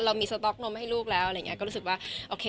เรามีสต๊อกนมให้ลูกแล้วอะไรอย่างนี้ก็รู้สึกว่าโอเค